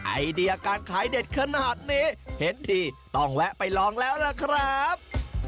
ไอเดียการขายเด็ดขนาดนี้เห็นทีต้องแวะไปลองแล้วล่ะครับ